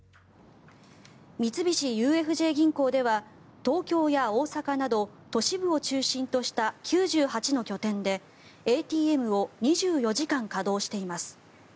三菱ＵＦＪ銀行では東京や大阪など都市部を中心とした９８の拠点でＡＴＭを２４時間稼働しています。